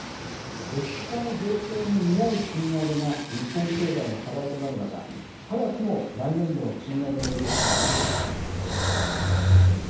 物価の上昇に見合う賃上げが日本経済の課題となる中、早くも来年度の賃上げの動きが出てきた形です。